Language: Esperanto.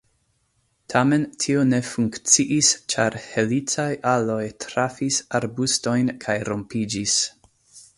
Tamen tio ne funkciis, ĉar helicaj aloj trafis arbustojn kaj rompiĝis.